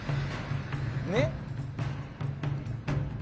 ねっ？